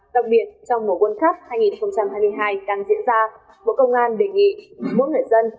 đặc biệt trong mùa world cup hai nghìn hai mươi hai đang diễn ra bộ công an đề nghị mỗi người dân